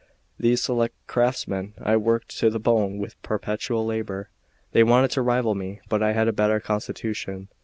These select craftsmen I worked to the bone with perpetual labour. They wanted to rival me; but I had a better constitution.